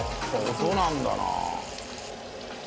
音なんだな。